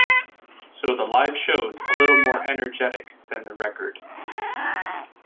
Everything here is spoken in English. So the live show's a little more energetic than the record.